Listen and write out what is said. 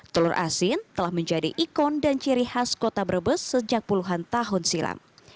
telur asin telah menjadi ikon dan ciri khas kota brebes sejak puluhan tahun silam